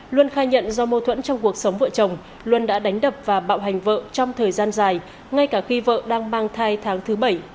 luân khai nhận do mâu thuẫn trong cuộc sống vợ chồng luân đã đánh đập và bạo hành vợ trong thời gian dài ngay cả khi vợ đang mang thai tháng thứ bảy